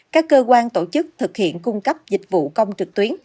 các cơ quan tổ chức thực hiện cung cấp dịch vụ công trực tuyến